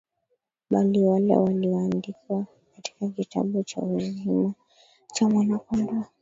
bali wale walioandikwa katika kitabu cha uzima cha Mwana Kondoo